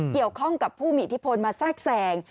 เกี่ยวข้องกับผู้มีอิทธิพลมาแทรกแสง